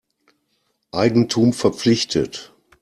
Eigentum verpflichtet.